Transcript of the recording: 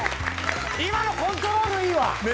今のコントロールいいわ。